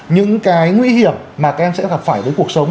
những cái nguy hiểm mà các em sẽ gặp phải với cuộc sống